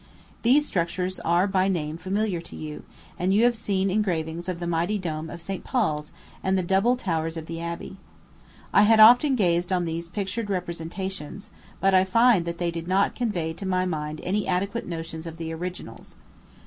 These structures are by name familiar to you, and you have seen engravings of the mighty dome of St. Paul's and the double towers of the Abbey. I had often gazed on these pictured representations, but I find that they did not convey to my mind any adequate notions of the originals.